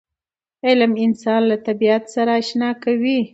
علم انسان له طبیعت سره اشنا کوي.